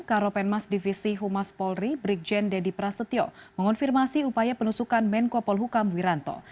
karopenmas divisi humas polri brigjen deddy prasetyo mengonfirmasi upaya penusukan menko polhukam wiranto